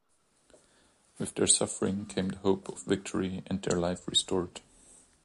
With their suffering came the hope of victory and their life restored.